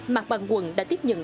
mặt bằng quận đã tiếp tục